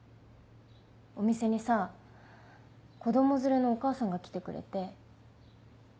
お店にさ子供連れのお母さんが来てくれて。